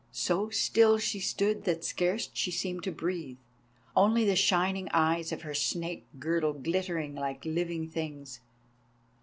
So still she stood that scarce she seemed to breathe. Only the shining eyes of her snake girdle glittered like living things.